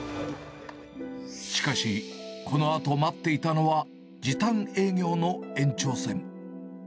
しかし、このあと待っていたのは、時短営業の延長戦。